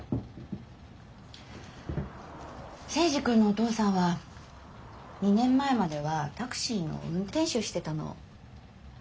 征二君のお父さんは２年前まではタクシーの運転手してたの。